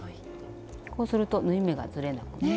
こうすると縫い目がずれなくて。